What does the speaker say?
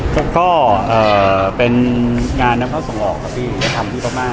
ต้องขาดในถนาที่เป็นคุณปีวโฉม